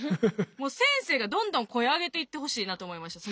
もう先生がどんどん声上げていってほしいなと思いました。